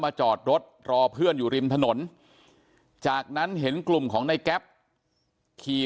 จอดรถรอเพื่อนอยู่ริมถนนจากนั้นเห็นกลุ่มของในแก๊ปขี่